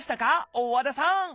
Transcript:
大和田さん